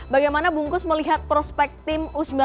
bagaimana bungkus melihat prospek tim u sembilan belas